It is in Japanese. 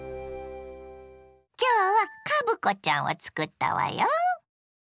今日はカブコちゃんをつくったわよ。